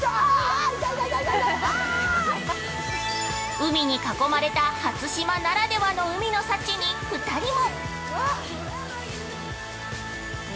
◆海に囲まれた初島ならではの海の幸に２人も◆